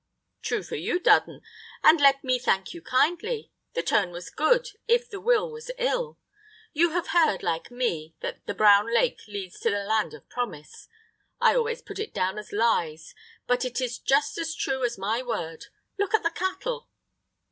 "True for you, Dudden, and let me thank you kindly; the turn was good, if the will was ill. You'll have heard, like me, that the Brown Lake leads to the Land of Promise. I always put it down as lies, but it is just as true as my word. Look at the cattle."